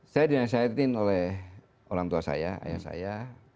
saya dinasihatin oleh orang tua saya ayah saya